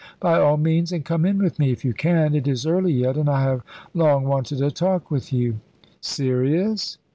"By all means, and come in with me, if you can. It is early yet, and I have long wanted a talk with you." "Serious?"